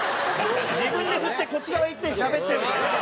自分で振ってこっち側行ってしゃべってみたいなね。